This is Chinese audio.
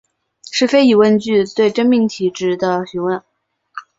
是非疑问句是对命题真值的询问。